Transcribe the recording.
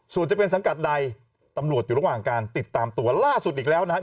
ส่วนจะเป็นสังกัดใดตำรวจอยู่ระหว่างการติดตามตัวล่าสุดอีกแล้วนะครับ